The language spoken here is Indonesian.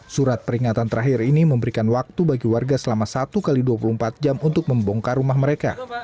surat peringatan terakhir ini memberikan waktu bagi warga selama satu x dua puluh empat jam untuk membongkar rumah mereka